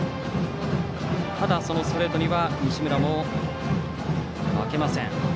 ただ、そのストレートには西村も負けません。